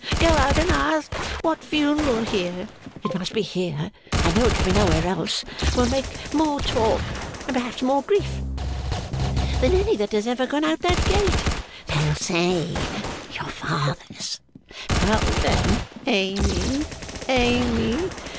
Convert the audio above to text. Go out and ask what funeral here (it must be here, I know it can be nowhere else) will make more talk, and perhaps more grief, than any that has ever gone out at the gate. They'll say your father's. Well then. Amy! Amy!